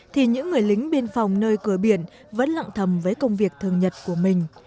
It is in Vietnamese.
thì những người lính biên phòng nơi cửa biển vẫn lặng thầm với công việc thường nhật của mình